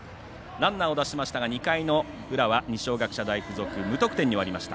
ランナーを出しましたが２回の裏は、二松学舎大付属無得点に終わりました。